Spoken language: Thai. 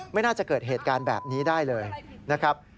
ไม่น่าจะเกิดเหตุการณ์แบบนี้ได้เลยนะครับ